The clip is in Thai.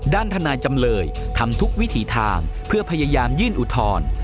ทนายจำเลยทำทุกวิถีทางเพื่อพยายามยื่นอุทธรณ์